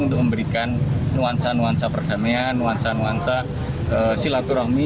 untuk memberikan nuansa nuansa perdamaian nuansa nuansa silaturahmi